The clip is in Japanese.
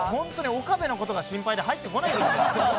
岡部のことが心配で入ってこないです。